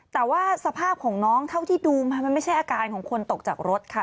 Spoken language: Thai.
แต่ว่าสภาพของน้องเท่าที่ดูมันไม่ใช่อาการของคนตกจากรถค่ะ